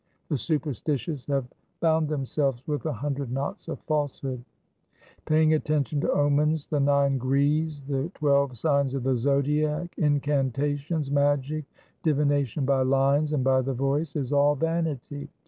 The superstitious have bound themselves with a hundred knots of falsehood. 1 Paying attention to omens, the nine grihs, the twelve signs of the Zodiac, incantations, magic, divination by lines, and by the voice is all vanity.